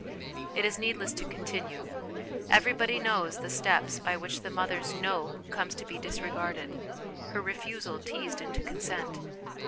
It is needless to continue; everybody knows the steps by which the mother's 'no' comes to be disregarded, her refusal teased into consent.